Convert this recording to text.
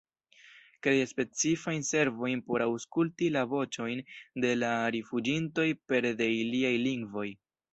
Krei specifajn servojn por aŭskulti la voĉojn de la rifuĝintoj pere de iliaj lingvoj.